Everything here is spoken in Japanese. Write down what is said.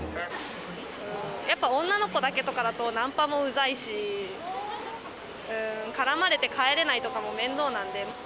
やっぱり女の子だけとかだと、ナンパもうざいし、絡まれて帰れないとかも面倒なんで。